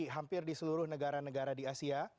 hampir di seluruh negara negara di asia